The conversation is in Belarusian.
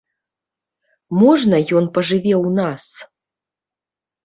Можна ён пажыве ў нас?